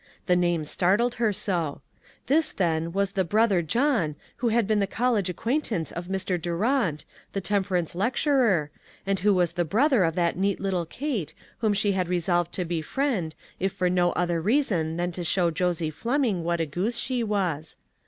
The name startled her so. This, then, was the " Brother John " who had been the college acquaint ance of Mr. Durant, the temperance lec turer, and who was the brother of that neat little Kate, whom she had resolved to befriend, if for no other reason than to show Josie Fleming what a goose she was.